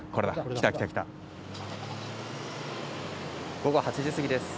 午後８時過ぎです。